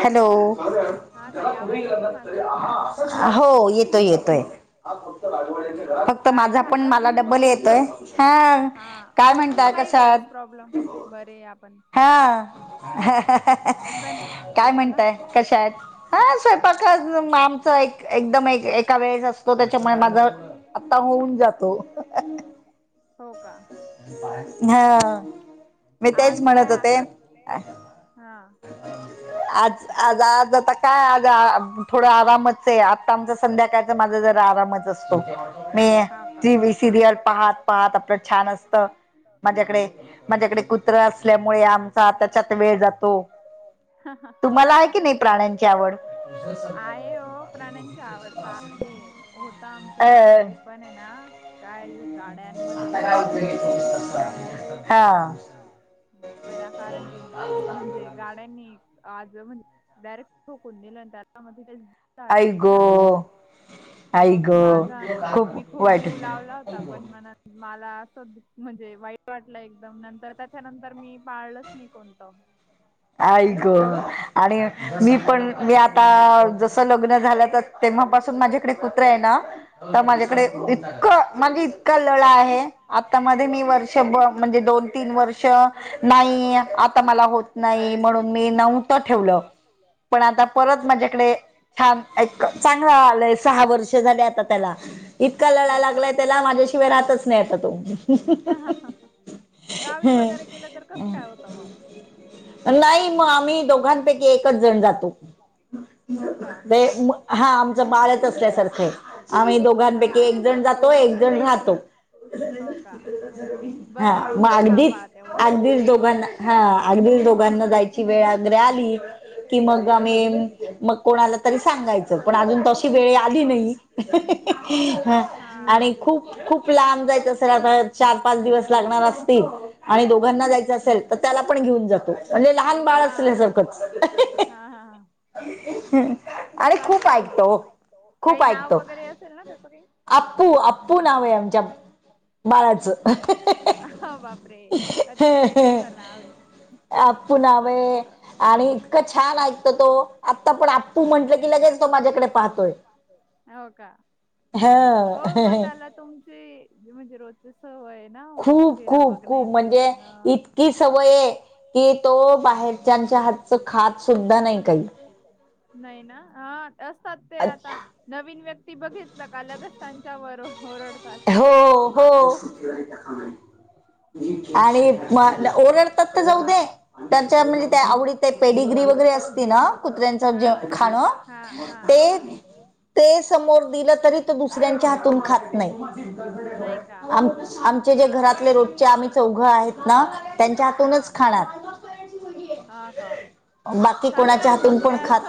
Hello हो येतोय येतोय. फक्त माझा पण मला डब्बल येतोय. हा हा होतो तो काही वेळेस प्रॉब्लेम. बरे आहे आपण. हा काय म्हणताय, कशा आहेत. हा स्वयंपाकच आमचा एक एकदम एक एका वेळेस असतो त्याच्यामुळे माझ आता होऊन जातो. हो का बाय हा मी तेच म्हणत होते. आज आज आज आता काय आज थोडं आरामच आहे. आता आमच संध्याकाळच माझा जरा आरामच असतो. मी टी व्ही सिरियल पाहात पाहात आपल छान असत. माझ्याकडे माझ्याकडे कुत्र असल्यामुळे आमचा त्याच्यात वेळ जातो. हा हा हा तुला आहे की नाही प्राण्यांची आवड. हे हो प्राण्यांची आवड त आहे. होता आमच पहिले. पण आहे ना काय गाड्यांमध्ये आल ना ते मग विनाकारण ते म्हणजे गाड्यांनी आज म्हणजे डायरेक्ट ठोकून दिल ना त्याला मग तिथे डेट झाला. मग माझा मी खूप जीव लावला हो होता पण मला अस म्हणजे वाईट वाटल एकदम. नंतर त्याच्यानंतर मी पाळलच नाही कोणत आई ग. आणि मी पण मी आता जस लग्न झाल तर तेव्हापासून माझ्याकडे कुत्रा आहे ना तर माझ्याकडे इतक म्हणजे इतका लळा आहे. आता मध्ये मी वर्ष म्हणजे दोन तीन वर्ष नाही आता मला होत नाही म्हणून मी नव्हतं ठेवलं. पण आता परत माझ्याकडे छान एक चांगला आलंय, सहा वर्ष झाले आता त्याला. इतका लळा लागलाय त्याला माझ्याशिवाय राहतच नाही आता तो. गावी वगैरे गेलं तर कसं काय होतं मग. नाही मग आम्ही दोघांपैकी एकच जण जातो. ते हा आमचं बाळच असल्यासारखं आहे. आम्ही दोघांपैकी एक जण जातो एक जण राहतो. हा. मग अगदीच अगदीच दोघांना हा. अगदीच दोघांना जायची वेळ जर आली कि मग आम्ही मग कोणाला तरी सांगायचं, पण अजून तशी वेळ आली नाही. हाहाहा. हा आणि खूप खूप लांब जायचं असेल आता चार पाच दिवस लागणार असतील आणि दोघांना जायचं असेल तर त्याला पण घेऊन जातो, म्हणजे लहान बाळ असल्यासारखंच. हा हा हा. अरे खूप ऐकतो. खूप ऐकतो. अप्पू अप्पू नाव आहे आमच्या बाळाचं [unintelligible] अप्पू नाव आहे आणि इतकं छान ऐकतो तो आता पण आ पू म्हंटलं की लगेच तो माझ्याकडे पाहतोय. हा. हो मग त्याला तुमची म्हणजे रोज खूप खूप खूप म्हणजे इतकी सवय आहे कि तो बाहेरच्याच्या हातच खात सुद्धा नाही काही. नाही ना. हा असतात ते. आता नवीन व्यक्ती बघितलं का लगे त्यांच्यावर ओरडतात. हो हो. आणि म ओरडतात तर जाऊ दे त्याच्या म्हणजे ते आवडी ते पेडिग्री वगैरे असते ना कुत्र्यांचं जे खाणं हा हा हा. ते समोर दिलं तरी तो दुसऱ्यांच्या हातून खात नाही. आ-आमचे जे घरातले रोजचे आम्ही चौघं आहेत ना त्यांच्या हातूनच खाणार. [inaudible] हा का. बाकी कोणाच्या हातून पण खात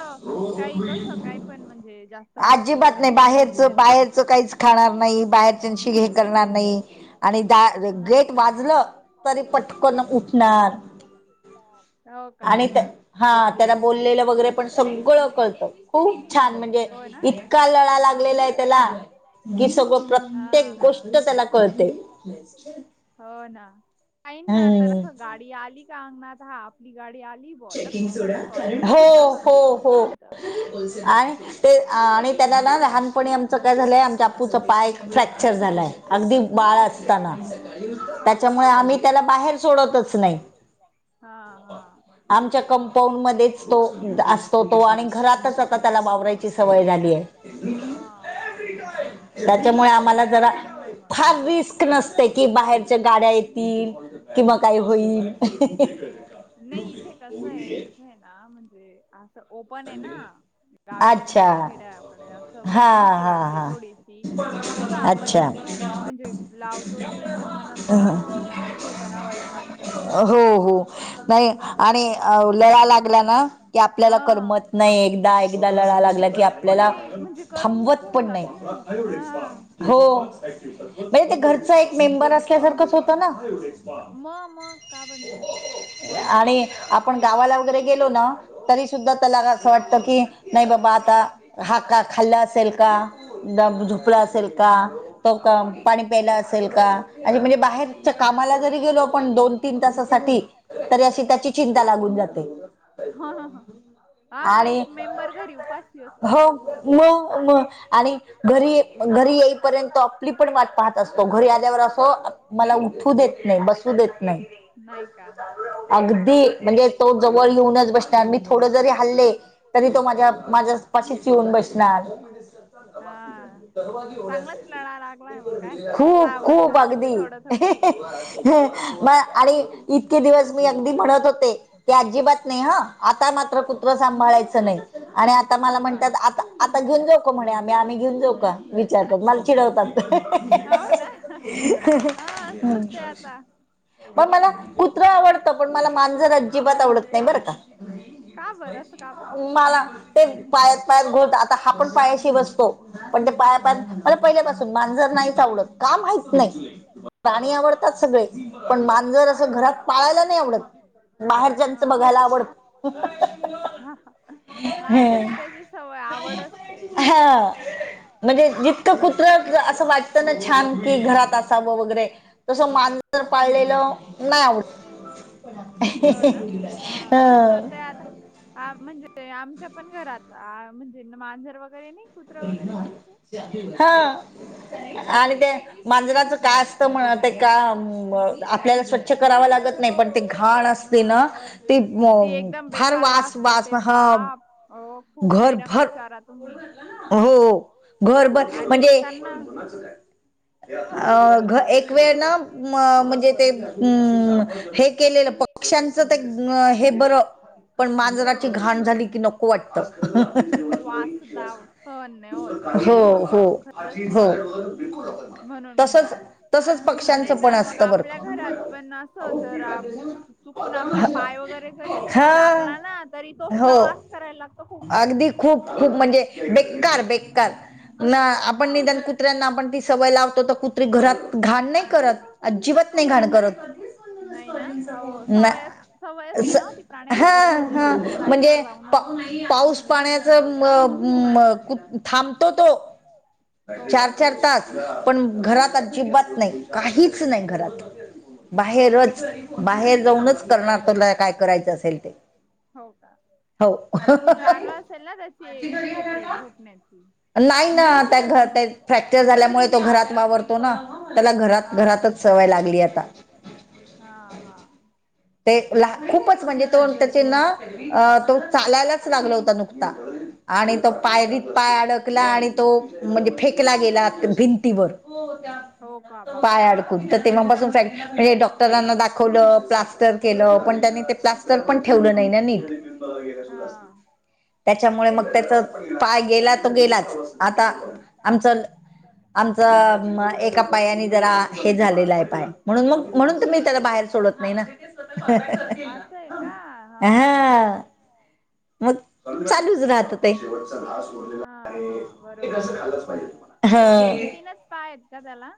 अजिबात नाही. बाहेरचं बाहेरचं काहीच खाणार नाही, बाहेरच्याशी हे करणार नाही. आणि दा गेट वाजलं तरी पटकन उठणार. हा. हो का. हा. त्याला बोललेलं वगैरे पण सगळं कळतं. खूप छान म्हणजे इतका लळा लागलेला आहे त्याला, की सगळं प्रत हा. हो ना [unintelligible] गाडी आली का अंगणात. हा आपली गाडी आली [unintelligible] हो हो हो आ ते आणि त्यांना ना लहानपणी आमचं काय झालंय, आमच्या अप्पूचा पाय फ्रॅक्चर झालाय. अगदी बाळं असतानां. त्याच्यामुळे आम्ही त्याला बाहेर सोडतचं नाही. [inaudible] हा हा. आमच्या कंपाऊंडमध्येचं तो असतो तो आणि घरातच आता त्याला वावरयाची सवय झाली हायं. हां. त्याच्यामुळे आम्हालां जरा फार रिस्कं नसते की बाहेरच्या गाड्या येतीलं किंवा म काय होईल. नाही इथे कसं हाय इथे आहे नां म्हणजे आ ओपन आहे ना गावी म्हणजे खेड्यापाड्या असं म्हणूनं भीती वाटते थोडी. कसं आपण खूप म्हणजे लावतो जीव पण नंतर म असं ओज होतं ना वाईट वाट तर मग जाऊ द्या. हो आणि लड्या लागला ना की आपल्याला करमतं नाही एकदा एकदा लढा लागला की आपल्याला थांबत पण नाही हो. बाई ते घरचा एक मेंबर असल्या सारखचं होतं नां. म का बनीन? आणि आपण गावालां वगैरे गेलो ना तर त्याला असं वाटतं की नाही बाबा आता हा का खाल्ला असेल का? दाबू झोपला असेल का तर कॉम पाणी प्यायला असेल का आणि म्हणजे बाहेरच्या कामाला जरी गेलो आपण दोन-तीन तासा साठी तर अशी त्याची चिंता लागून जाते. आं हां हां. आणि हो म म आणि घरीं घरी येईपर्यंत आपली पण वाट पाहत असतो घरी आल्यावर असं मला उठू देत नाही, बसू देत नाही. नाय का? अगदी म्हणजे तो जवळ येऊनच बसते आम्हीत थोडं जरी हल्ले तरी तो माझ्या माझ्या पाशीचं येऊन बसणार. खूप खूप अगदी [unintelligible] हो म आणि इतके दिवस मी अगदी म्हणतं होते ते अजिबात नाही हा आ ता मात्रं कुत्रं सांभाळायचं नाही आणि आता मला म्हणतात आता आता घेऊन जाऊ का म्हणे आम्ही आम्ही घेऊन जाऊ का विचारतात मला चिडवतात. हाव ना हा असतच ते आता. पण मलां कुत्रा आवडतो पण मला मांजर अजिबात आवडतं नाही बरं का. ऊ मला ते पायात पायात घोट आता हा आपण पायाशी बसतो. पण ते पाया पायत मला पहिल्यापासून मांजर नाहीचं आवडत का माहीत नाही. पाणी आवडतातं सगळे. पण मांजर असं घरात पाळायला नाही आवडतं बाहेरच्यांचं बघायला आवडत. हां ज्याची द्याची सवय आवड असते. म्हणजे जितकं कुत्रं असं वाटतं ना छान कि घरात असावं वगैरे. तसं मांजर पाळलेलं नाही आवडत. हो. त्या आता. हा म्हणजे आमच्या पण घरात म्हणजे मांजर वगैरे नाही हां आणि ते मांजराचं घान असत म्हण ते कां [unintelligible] आपल्याला स्वच्छं कराव लागत नाही पण ते घाण आस ते ना ते फार वास वास ह खूप दे ना का विचारा तुम्ही हो, हो घर बर म्हणजे अ एक वेळ ना म्हणजे ते हे के पक्षांचं हे बर पण मांजराची घाण झाली की नको वाट वास द सहण नाही होत नाही होत ना खरच नाही होत म्हणून नाही तर मग आपल्या घरात पण अस जर आम चुकून आपला पाय वगैरे जरी लागला ना तरी तो सुद्धा वास करायला लाग अगदी खूप, खूप म्हणजे बेकार, बेकार ना पण निदान कुत्र्यांना आपण ती सवय लावतो तर कु तरी घरात घाण नाही करत अजिबात नाही घाण करत [inaudible] नांअ स हा, हा [unintelligible] म्हणजे प [inaudible] पाऊसं पाण्याचा मगं मअं थांबतो तो चार, चार तास पण घरात अजिबात नाही काहीच नाही करत बाहेरच बाहेर जाऊनच करणार तुला काय करायचं असेल ते हो का जागा असेल ना त्याची एक सेपरेट झोपण्याची नाई त्या फ्रॅक्चर झाल्यामुळे तो घरात वावरतो ना त्याला घरात, घरातच सवय लागली आता हा, हा ते खूपच म्हणजे तो त्याचे ना तो चालायलाच लागला होता नुकता आणि तो पायरीत पाय अडकला आणि तो म्हणजे फेकला गेला भिंतीवर हो, हो त्या हो का बापरे! तेव्हा पासून फॅक डॉक्टरांना दाखवलं प्लास क्चर केलं हा त्याच्यामुळे मग त्याच पाय गेला तर गेलाच आता आमचं आमचं एका पायाने जरा हे झालेलं आहे पाय म्हणून मग म्हणून तुम्ही त्याला बाहेर सोडत नाही ना ह हा, हा बरोबर, बरोबर म्हणजे तिनच पाय आहेत का त्याला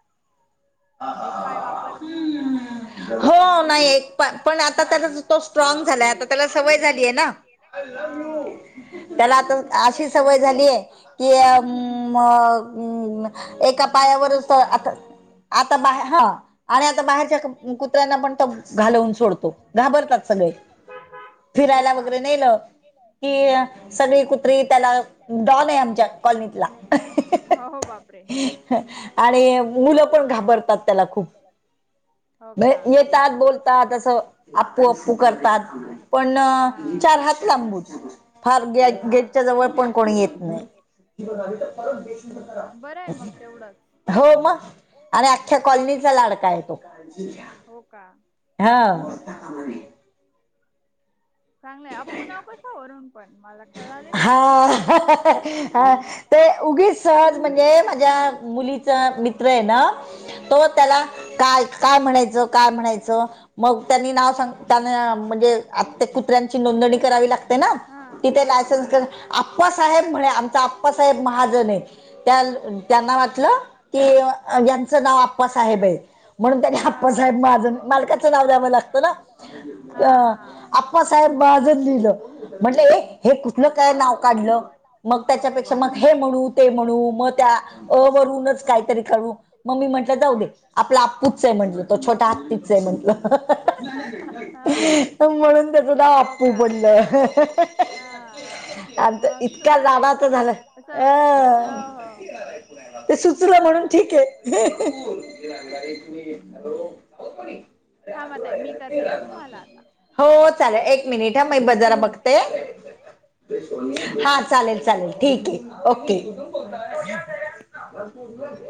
एक पाय वापरण नाही होत वाटतं हो पण आ त्या तो स्ट्राँग झालाय आता त्याला सवय झाली ना त्याला आता अशी सवय झालीय कि एका पायावरच आस आता बाहे हा आणि आता बाहेरच्या कुत्र्यांना पण तो घालवून सोडतो घाबरतात सगळे फिरायला वगैरे नेलं की सगळी कु ट्री त्याला डॉन आहे आमच्या कॉलनीतला आणि मुलं पण घाबरतात त्याला खूप [inaudible] बे येतात, बोलतात, असं आप्पु-आप्पु करतात पण चार हात लांबूच, फार गे-गेटच्या जवळ पण कोणी येत नाही. बशरा [unintelligible] हो मग आणि अख्ख्या कॉलनीचा लाडका ये तो. हां. चांगलंय, आप्पू नाव कसं वरुन पण मला हा हहान हां ते उगीच सहज म्हणजे माझ्या मुली च मित्र ये ना, तो त्याला काय-काय म्हणायचं, काय म्हणायचं मग त्यांनी नाव सांग-त्यांना म्हणजे आत ते कू त्र्यांची नोंदणी करावी लागते ना, तिथ ला सण, आप्पासाहेब म्हणे आमचा आप्पासाहेब महाजन ये. त्याल त्यांना वाटलं की, यांचं नाव आप्पा साहेब ये. म्हणून त्यांने आपप्पासाहेब महाजन, मालकाचं नाव द्यावं लागतं ना हां हां. आप्पासाहेब महाजन लिहिलं, म्हटलं ए हे कुठलं काय नाव काढलं? मग त्याच्यापेक्षा मग हे म्हणू, ते म्हणू, मग त्या अ वरूनच काहीतरी करू. मम्मी म्हटलं जाऊ देे, आपला आप्पूच ये म्हटल तो, छोटा हात्तीच ये म्हटलं. म्हणून त्याचं नाव आप्पू पडलं. आता इतक्या लाडच झालं, अ ते सुचलं म्हणून ठीक ये हंहह हं. हॅ [unintelligible] थांबा ताई मी करते हं तुम्हाला आता. हो चालेल एक मिनिट हं, मी बी जरा बघते. हा चालेल-चालेल ठीक ये, ओके. स पूर्लेच [unintelligible]